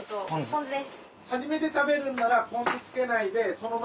ポン酢です。